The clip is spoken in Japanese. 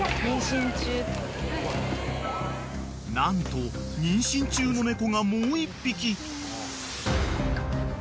［何と妊娠中の猫がもう１匹］